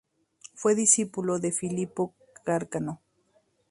Fue discípulo de Filippo Carcano.